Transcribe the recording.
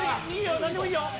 いいよ